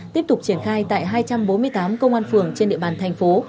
tiếp tục triển khai tại hai trăm bốn mươi tám công an phường trên địa bàn thành phố